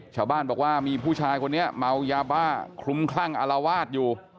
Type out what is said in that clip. ชาวบ้านบอกว่ามีผู้ชายคนนี้เมายาบ้าคลุมคลั่งอารวาสอยู่